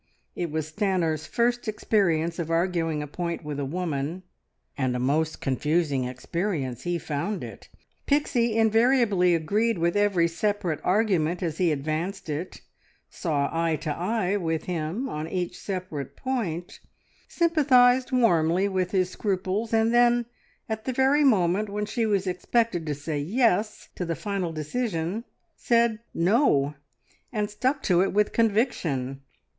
It was Stanor's first experience of arguing a point with a woman, and a most confusing experience he found it. Pixie invariably agreed with every separate argument as he advanced it, saw eye to eye with him on each separate point, sympathised warmly with his scruples, and then at the very moment when she was expected to say "yes" to the final decision, said "no," and stuck to it with conviction.